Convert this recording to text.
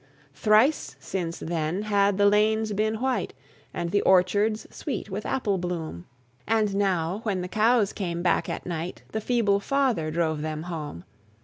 Thrice since then had the lanes been white, And the orchards sweet with apple bloom; And now, when the cows came back at night, The feeble father drove them home.